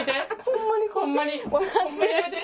ホンマにホンマにやめて！